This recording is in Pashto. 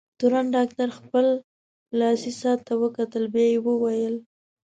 تورن ډاکټر خپل لاسي ساعت ته وکتل، بیا یې وویل: